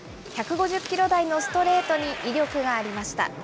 １５０キロ台のストレートに威力がありました。